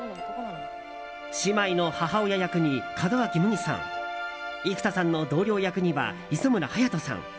姉妹の母親役に門脇麦さん生田さんの同僚役には磯村勇斗さん。